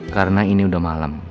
karena ini udah malam